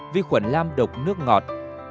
vi khuẩn lam độc nước ngọt